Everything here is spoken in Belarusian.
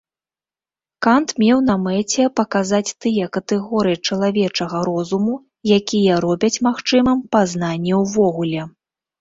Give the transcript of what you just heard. Кант меў на мэце паказаць тыя катэгорыі чалавечага розуму, якія робяць магчымым пазнанне ўвогуле.